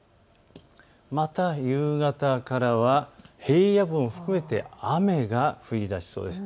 また夕方からは平野部も含めて雨が降りだしそうです。